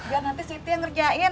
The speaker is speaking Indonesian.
biar nanti siti yang ngerjain